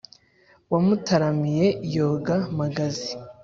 wamutaramiye yoga magazi